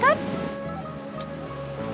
syarat latar belakang pendidikan